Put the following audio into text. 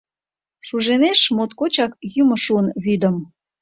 Шуженеш моткочак йӱмӧ шуын вӱдым.